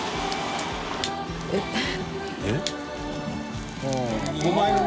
えっ。えっ？